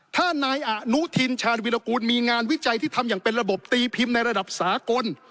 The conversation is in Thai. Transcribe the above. ถ้านายอนุทินชาญวิรากูลมีงานวิจัยที่ทำอย่างเป็นระบบตีพิมพ์ในระดับสากล